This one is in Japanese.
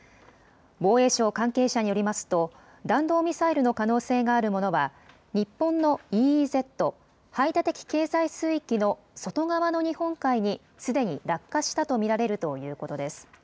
防衛省関係者によりますと弾道ミサイルの可能性があるものは日本のＥＥＺ・排他的経済水域の外側の日本海にすでに落下したと見られるということです。